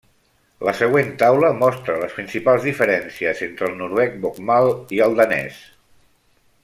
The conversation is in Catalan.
La següent taula mostra les principals diferències entre el noruec bokmål i el danès.